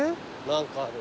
何かある。